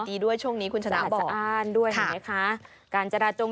ทางนี้คุณชนะบอกเจราติสงสร้านด้วย